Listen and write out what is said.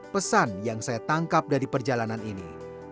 pesan yang saya tangkap dari perjalanan ini